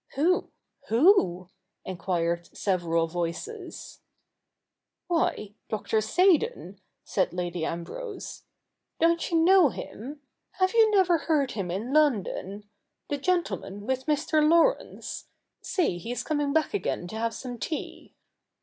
' Who ? Who ?' enquired several voices. ' Why, Dr. wSeydon,' said Lady Ambrose. ' Don't you know him? Have you never heard him in London — the gentleman with ]Mr. Laurence ? See, he is coming back again to have some tea.'